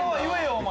お前。